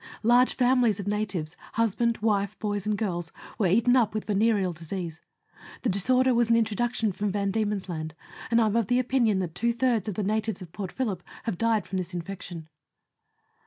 Large families of natives husband, wife, boys, and girls were eaten up with venereal disease. The disorder was an introduction from V. D. Land, and I am of opinion that two thirds of the natives of Port Phillip have died from this infection.